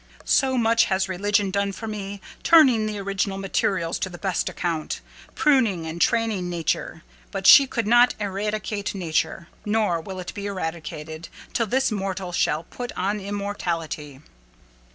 So much has religion done for me; turning the original materials to the best account; pruning and training nature. But she could not eradicate nature: nor will it be eradicated 'till this mortal shall put on immortality.